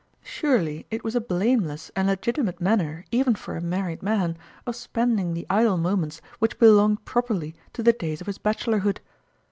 Surely it was a blameless and legitimate manner, even for a married man, of spending the idle moments which belonged properly to the days of his bachelorhood